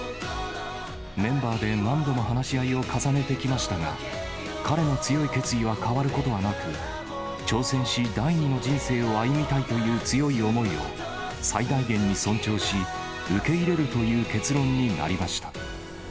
メンバーで何度も話し合いを重ねてきましたが、彼の強い決意は変わることはなく、挑戦し、第二の人生を歩みたいという強い思いを最大限に尊重し、受け入れるという結論になりました。